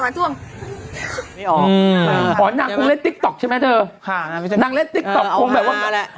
มาท่วงอืมอ๋อนางคงเล่นติ๊กต๊อกใช่ไหมเธอค่ะนางเล่นติ๊กต๊อกคงแบบว่า